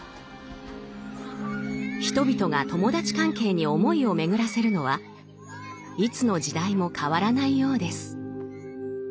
人々が友達関係に思いを巡らせるのはいつの時代も変わらないようです。